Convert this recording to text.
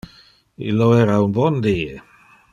Illo era un bon die.